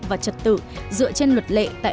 và trật tự dựa trên luật lệ tại